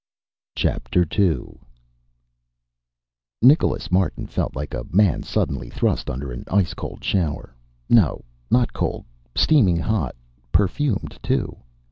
_ II Nicholas Martin felt like a man suddenly thrust under an ice cold shower. No, not cold steaming hot. Perfumed, too.